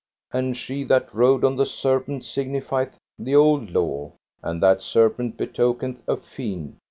And she that rode on the serpent signifieth the old law, and that serpent betokeneth a fiend.